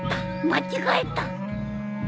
間違えた